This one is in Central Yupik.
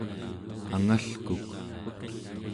angalkuk